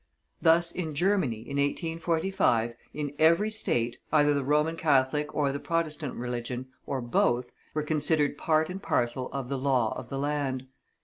Thus in Germany, in 1845, in every State, either the Roman Catholic or the Protestant religion, or both, were considered part and parcel of the law of the land.